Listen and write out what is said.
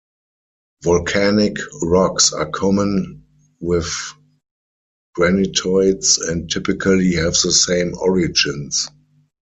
Volcanic rocks are common with granitoids and typically have the same origins.